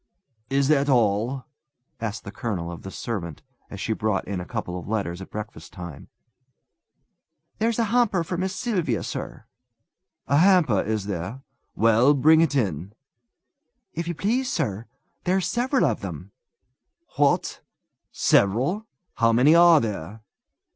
"Is this all?" asked the colonel of the servant, as she brought in a couple of letters at breakfast time. "There's a hamper for Miss Sylvia, sir." "A hamper, is there? Well, bring it in." "If you please, sir, there's several of them." "What? Several? How many are there?"